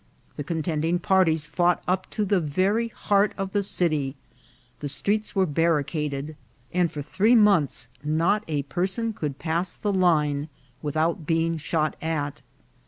The contending parties fought up to the very heart of the city ; the streets were barricaded, and for three months not a person could pass the line without being shot at.